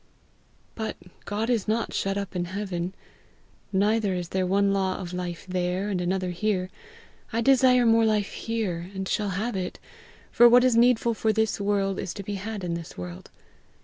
But God is not shut up in heaven, neither is there one law of life there and another here; I desire more life here, and shall have it, for what is needful for this world is to be had in this world.